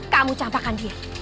kamu campakkan dia